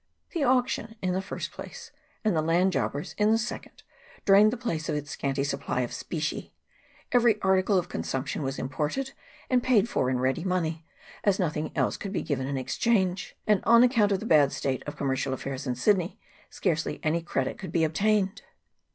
The auction in the first place, and the land jobbers in the second, drained the place of its scanty supply of specie ; every article of consumption was imported and paid for in ready money, as nothing else could be given in exchange, and on account of the bad state of commercial affairs in Sydney, scarcely any credit could be obtained.